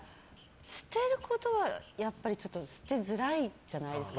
捨てることはやっぱり捨てづらいじゃないですか。